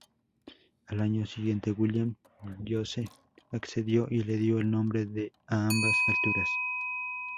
Al año siguiente, William Gosse ascendió y le dio el nombre a ambas alturas.